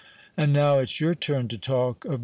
"And now it's your turn to talk of M.